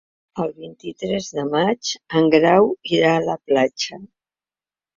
El vint-i-tres de maig en Grau irà a la platja.